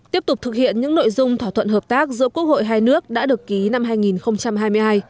tiếp tục thực hiện những nội dung thỏa thuận hợp tác giữa quốc hội hai nước đã được ký năm hai nghìn hai mươi hai